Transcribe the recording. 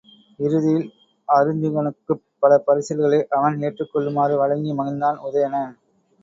இறுதியில், அருஞ்சுகனுக்குப் பல பரிசில்களை அவன் ஏற்றுக் கொள்ளுமாறு வழங்கி மகிழ்ந்தான் உதயணன்.